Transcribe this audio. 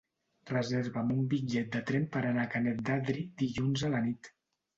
Reserva'm un bitllet de tren per anar a Canet d'Adri dilluns a la nit.